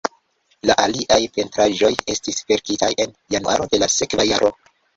La aliaj pentraĵoj estis verkitaj en januaro de la sekva jaro.